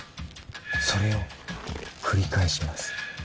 それを繰り返します。